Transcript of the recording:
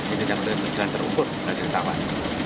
ini tidak berjalan terukur gak bisa ditawar